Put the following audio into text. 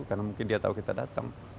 karena mungkin dia tahu kita datang